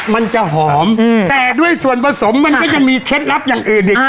มันจะหอมแต่ด้วยส่วนผสมมันก็ยังมีเคล็ดลับอย่างอื่นอีก